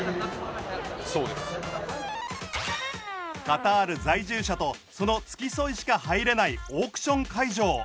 カタール在住者とその付き添いしか入れないオークション会場。